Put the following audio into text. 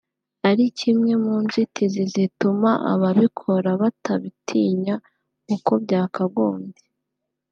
ari kimwe mu nzitizi zituma ababikora batabitinya uko byakagombye